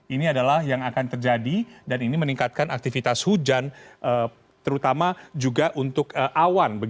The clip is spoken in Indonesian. ini adalah yang akan terjadi dan ini meningkatkan aktivitas hujan terutama juga untuk awan